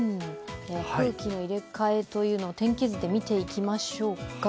空気の入れ替えというのを天気図で見ていきましょうか。